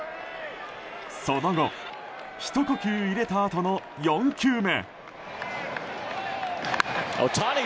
その後、ひと呼吸入れたあとの４球目。